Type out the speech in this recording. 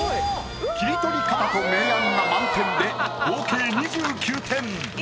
切り取り方と明暗が満点で合計２９点。